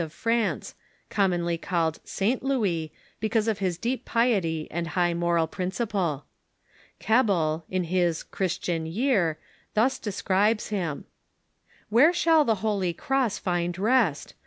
of France, commonly called St. Louis, because of his deep piety and high moral principle. Keble, in his "Christian Year," thus describes him :" Where shall the holy Cross find rest